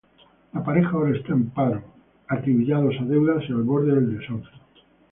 La pareja ahora está en paro, acribillados a deudas, y al borde del desahucio.